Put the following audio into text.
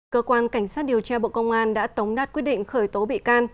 cơ quan cảnh sát điều tra bộ công an đã tống đạt quyết định khởi tố bị can